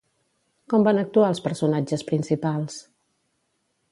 Com van actuar els personatges principals?